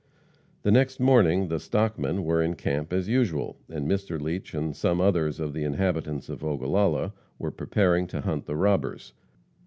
The next morning the "stockmen" were in camp as usual, and Mr. Leach and some others of the inhabitants of Ogallala were preparing to hunt the robbers.